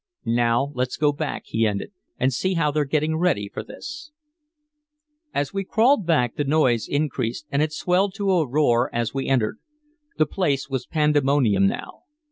"Now let's go back," he ended, "and see how they're getting ready for this." As we crawled back the noise increased, and it swelled to a roar as we entered. The place was pandemonium now.